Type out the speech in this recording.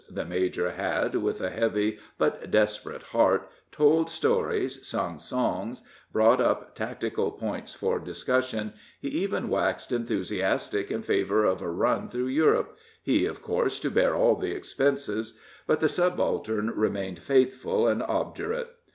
The major had, with a heavy but desperate heart, told stories, sung songs, brought up tactical points for discussion he even waxed enthusiastic in favor of a run through Europe, he, of course, to bear all the expenses; but the subaltern remained faithful and obdurate.